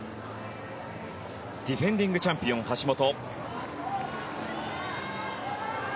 ディフェンディングチャンピオン橋本。